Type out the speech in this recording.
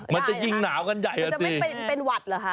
มันจะยิ่งหนาวกันใหญ่มันจะไม่เป็นหวัดเหรอคะ